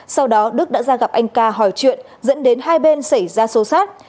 sau đó đức đã ra gặp anh ca hỏi chuyện dẫn đến hai bên xảy ra xô xát